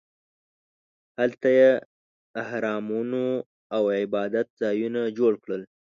هلته یې اهرامونو او عبادت ځایونه جوړ کړل.